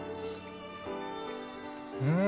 うん。